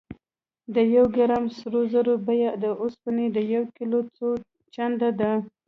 د یو ګرام سرو زرو بیه د اوسپنې د یو کیلو څو چنده ده.